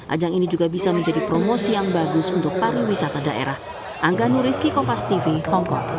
ajang ini juga bisa menjadi promosi yang bagus untuk pariwisata daerah